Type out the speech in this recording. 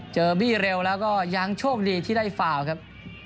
บี้เร็วแล้วก็ยังโชคดีที่ได้ฟาวครับ